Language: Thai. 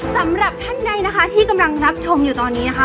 สำหรับท่านใดนะคะที่กำลังรับชมอยู่ตอนนี้นะคะ